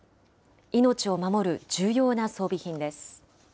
命を守る重要な装備品です。